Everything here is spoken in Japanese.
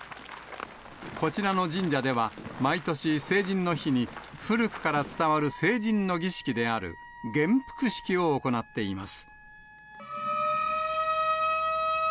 こちらの神社では、毎年、成人の日に古くから伝わる成人の儀式である元服式を行っています。